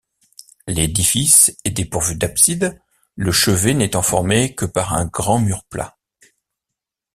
L'édifice est dépourvue d'abside, le chevet n'étant formé que par un grand mur plat.